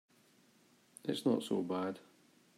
It's not so bad.